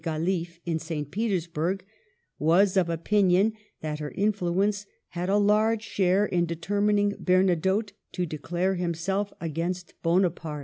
Galiffe in St. Petersburg, was of opinion that her influence had a large share in determining Ber nadotte to declare himself against Bonaparte.